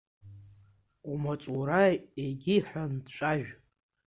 Умаҵура егьиҳәа, анҵәажә…